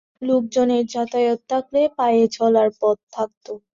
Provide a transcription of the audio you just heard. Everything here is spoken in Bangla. লোকজনের যাতায়াত থাকলে পায়ে চলার পথ থাকত।